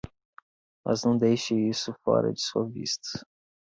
Mas não deixe isso fora de sua vista.